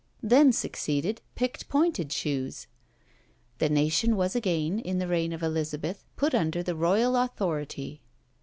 Then succeeded picked pointed shoes! The nation was again, in the reign of Elizabeth, put under the royal authority.